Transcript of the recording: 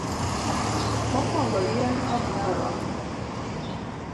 mokuongo. yien ok ne oromo